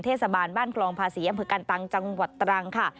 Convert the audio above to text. เทศบาลบ้านกรองภาษีอำเภกันตังค์